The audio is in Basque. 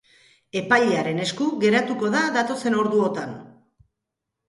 Epailearen esku geratuko da datozen orduotan.